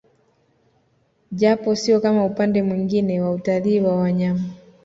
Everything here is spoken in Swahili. Japo sio kama upande mwingine wa utalii wa wanyama